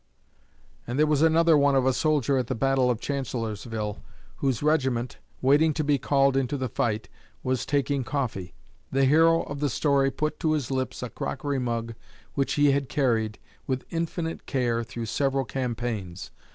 And there was another one of a soldier at the battle of Chancellorsville, whose regiment, waiting to be called into the fight, was taking coffee. The hero of the story put to his lips a crockery mug which he had carried, with infinite care, through several campaigns.